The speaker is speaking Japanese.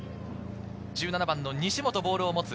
１７番・西本、ボールを持つ。